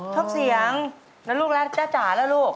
ชอบเสียงแล้วลูกแล้วจ้าจ๋าแล้วลูก